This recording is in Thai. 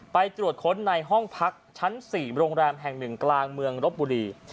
ไปตรวจค้นในห้องพักชั้น๔โรงแรมแห่งหนึ่งกลางเมืองรบบุรี